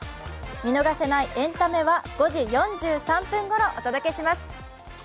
見逃せないエンタメは５時４３分ごろお伝えします。